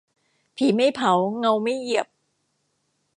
ผีไม่เผาเงาไม่เหยียบ